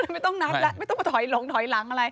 ไม่ต้องนับแล้วไม่ต้องมาถอยหลงถอยหลังอะไร